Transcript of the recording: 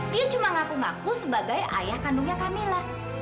dia cuma ngaku ngaku sebagai ayah kandungnya camilla